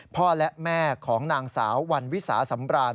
พ่อและแม่ของนางสาววันวิสาสำราญ